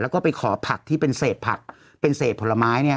แล้วก็ไปขอผักที่เป็นเศษผักเป็นเศษผลไม้เนี่ย